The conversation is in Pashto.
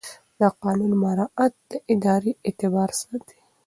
د قانون مراعات د ادارې اعتبار ساتي.